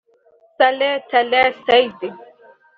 Saleh Taher Seid